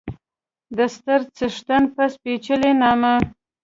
د ستر څښتن په سپېڅلي نامه